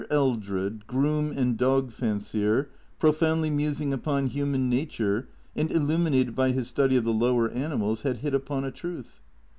ELDEED, groom and dog fancier, profoundly musing upon human nature and illuminated by his study of the lower animals, had hit upon a truth.